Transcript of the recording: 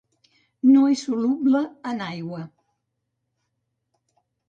No és soluble en aigua.